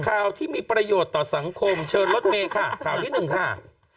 ข่าวที่มีประโยชน์ต่อสังคมเชิญรถเมย์ค่ะข่าวที่หนึ่งค่ะ